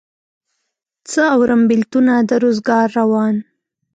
څه اورم بېلتونه د روزګار روان